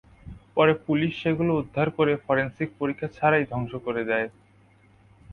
পরে পুলিশ সেগুলো উদ্ধার করে ফরেনসিক পরীক্ষা ছাড়াই ধ্বংস করে দেয়।